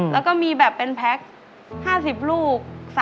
แล้วก็มีแบบเป็นแพ็ค๕๐ลูก